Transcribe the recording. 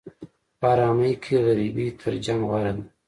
په ارامۍ کې غریبي تر جنګ غوره ده.